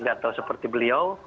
gak tahu seperti beliau